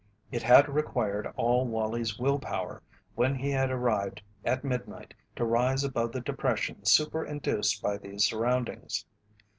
It had required all Wallie's will power, when he had arrived at midnight, to rise above the depression superinduced by these surroundings.